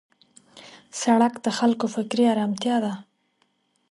سړک د خلکو فکري آرامتیا ده.